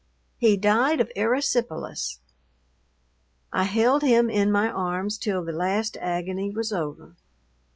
He died of erysipelas. I held him in my arms till the last agony was over.